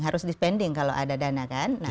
harus di spending kalau ada dana kan